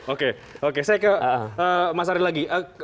oke oke saya ke mas ari lagi